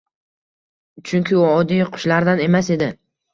Chunki, u oddiy qushlardan emas edi.